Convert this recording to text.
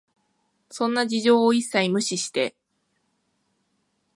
そんな事情を一切無視して、